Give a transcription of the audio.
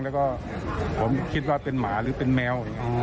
้งก็เรียกว่าผมคิดว่าเป็นหมาหรือเป็นแมว